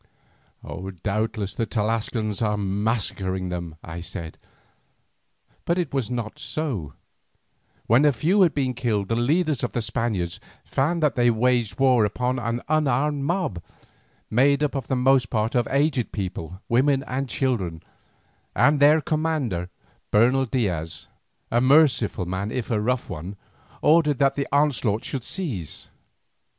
"Doubtless the Tlascalans are massacring them," I said. But it was not so. When a few had been killed the leaders of the Spaniards found that they waged war upon an unarmed mob, made up for the most part of aged people, women and children, and their commander, Bernal Diaz, a merciful man if a rough one, ordered that the onslaught should cease.